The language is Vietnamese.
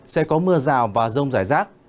sẽ có mưa rào và rông giải rác